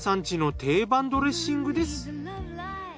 家の定番ドレッシングです。